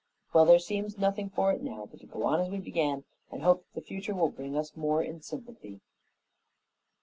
Well, there seems nothing for it now but to go on as we began and hope that the future will bring us more in sympathy."